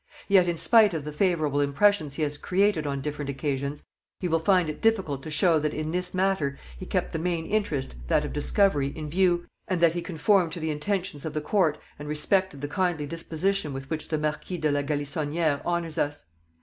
Yet in spite of the favourable impressions he has created on different occasions, he will find it difficult to show that in this matter he kept the main interest [that of discovery] in view, and that he conformed to the intentions of the court and respected the kindly disposition with which the Marquis de la Galissonière honours us.